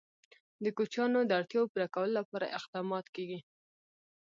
د کوچیانو د اړتیاوو پوره کولو لپاره اقدامات کېږي.